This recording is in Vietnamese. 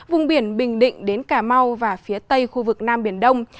vùng biển bình định đến cà mau và phía tây khu vực nam biển đông